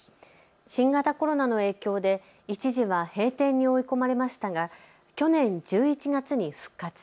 新型コロナの影響で一時は閉店に追い込まれましたが去年１１月に復活。